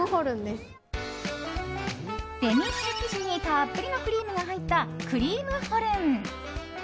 デニッシュ生地にたっぷりのクリームが入ったクリームホルン。